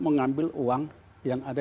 mengambil uang yang ada